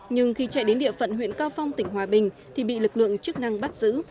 nhưng khi chạy đến địa phận huyện cao phong tỉnh hòa bình thì bị lực lượng chức năng bắt giữ